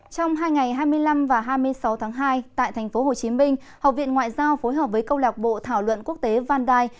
trong hai ngày hai mươi năm và hai mươi sáu tháng hai tại tp hcm học viện ngoại giao phối hợp với câu lạc bộ thảo luận quốc tế vandai